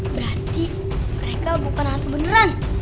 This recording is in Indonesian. berarti mereka bukan harus beneran